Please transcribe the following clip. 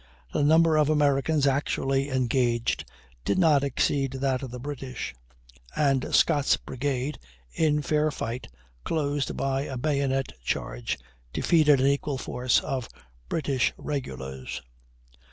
The number of Americans actually engaged did not exceed that of the British; and Scott's brigade, in fair fight, closed by a bayonet charge, defeated an equal force of British regulars.